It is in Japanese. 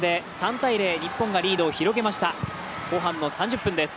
後半の３０分です。